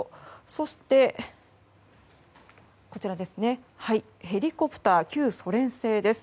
そしてヘリコプター旧ソ連製です。